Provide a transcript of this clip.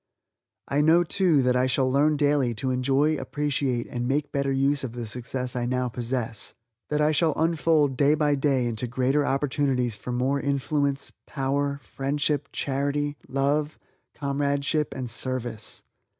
I know, too, that I shall learn daily to enjoy, appreciate, and make better use of the success I now possess; that I shall unfold day by day into greater opportunities for more influence, power, friendship, charity, love, comradeship and service.